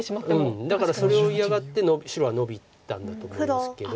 うんだからそれを嫌がって白はノビたんだと思いますけど。